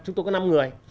chúng tôi có năm người